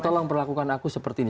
tolong perlakukan aku seperti ini